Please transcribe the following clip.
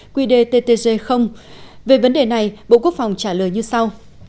hai nghìn một mươi một quy đề ttg về vấn đề này bộ quốc phòng trả lời như sau